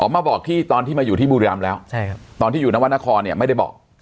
มาบอกที่ตอนที่มาอยู่ที่บุรีรำแล้วตอนที่อยู่นวรรณครเนี่ยไม่ได้บอก